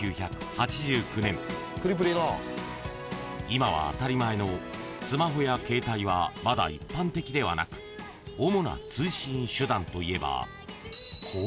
［今は当たり前のスマホや携帯はまだ一般的ではなく主な通信手段といえば］